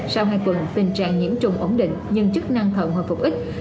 sau hai tuần tình trạng nhiễm trùng ổn định nhưng chức năng thận hồi phục ít